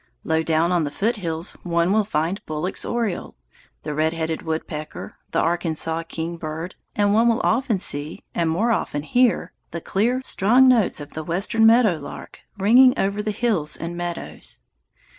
Low down on the foothills one will find Bullock's oriole, the red headed woodpecker, the Arkansas kingbird, and one will often see, and more often hear, the clear, strong notes of the Western meadowlark ringing over the hills and meadows.